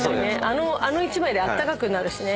あの１枚であったかくなるしね。